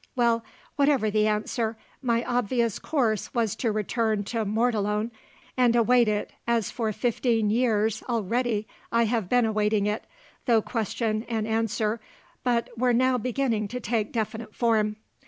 Well, whatever the answer, my obvious course was to return to Mortallone and await it, as for fifteen years already I have been awaiting it, though question and answer were but now beginning to take definite form.